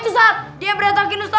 kenapa ini kok berantakan begini bukunya